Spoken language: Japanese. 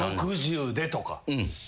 「６０で」とか。